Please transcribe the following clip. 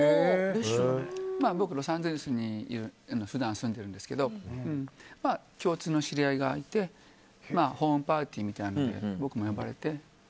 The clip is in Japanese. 僕はロサンゼルスに普段住んでいるんですけど共通の知り合いがいてホームパーティーみたいなのに僕も呼ばれて。